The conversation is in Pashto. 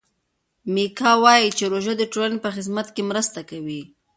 میکا وايي چې روژه د ټولنې په خدمت کې مرسته کوي.